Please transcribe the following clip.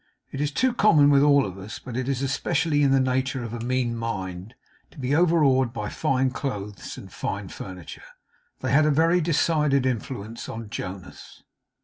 It is too common with all of us, but it is especially in the nature of a mean mind, to be overawed by fine clothes and fine furniture. They had a very decided influence on Jonas.